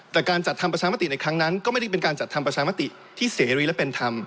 แต่การจัดทำประชามติในครั้งนั้นก็ไม่ได้เป็นการจัดทำประชามติที่เสรีและเป็นธรรม